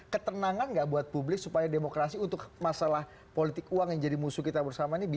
ketenangan nggak buat publik supaya demokrasi untuk masalah politik uang yang jadi musuh kita bersama ini